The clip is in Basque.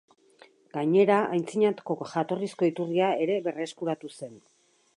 Gainera, antzinako jatorrizko iturria ere berreskuratu zen.